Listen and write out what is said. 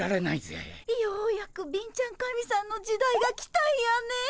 ようやく貧ちゃん神さんの時代が来たんやね。